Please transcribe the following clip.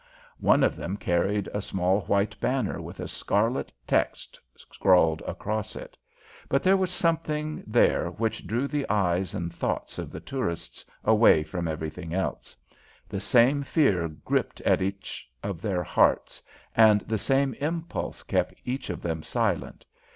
One of them carried a small white banner with a scarlet text scrawled across it. But there was something there which drew the eyes and the thoughts of the tourists away from everything else. The same fear gripped at each of their hearts, and the same impulse kept each of them silent.